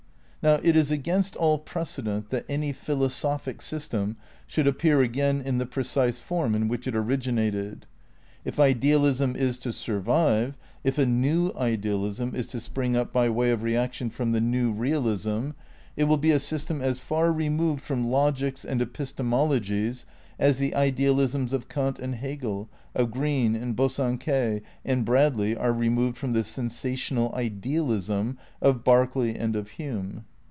Now it is against all precedent that any philosophic system should appear again in the precise form in which it originated. If idealism is to survive, if a New Idealism is to spring up by way of reaction from the New Realism, it will be a system as far removed from logics and epistemologies as the idealisms of Kant and Hegel, of Green and Bosanquet and Bradley are re moved from the sensational idealism of Berkeley and of Hume.